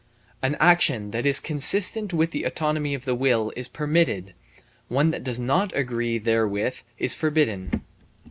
An action that is consistent with the autonomy of the will is permitted; one that does not agree therewith is forbidden.